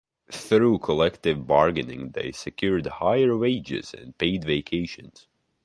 Through collective bargaining they secured higher wages and paid vacations.